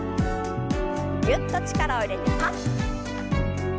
ぎゅっと力を入れてパッ。